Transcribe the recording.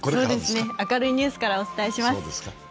明るいニュースからお伝えします。